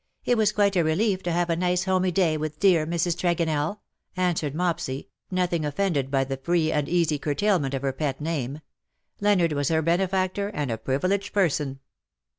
It was quite a relief to have a nice homey day with dear Mrs. Tregonell/'' answered Mopsy, nothing offended by the free and easy curtailment of her pet name. Leonard was her benefactor, and a privileged person.